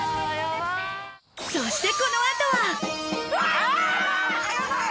そしてこの後は。